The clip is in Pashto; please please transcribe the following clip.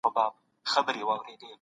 عمومي غونډه څنګه پیلېږي؟